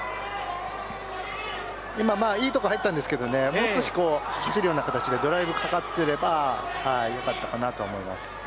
今、いいところ入ったんですがもう少し走るような形でドライブがかかっていれば良かったかなと思います。